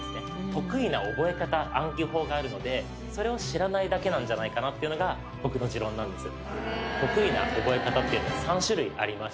得意な覚え方暗記法があるのでそれを知らないだけなんじゃないかな？っていうのが僕の持論なんです